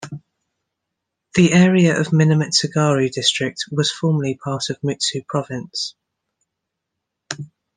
The area of Minamitsugaru District was formerly part of Mutsu Province.